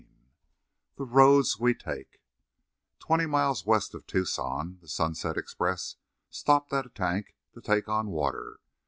XIV THE ROADS WE TAKE Twenty miles west of Tucson, the "Sunset Express" stopped at a tank to take on water.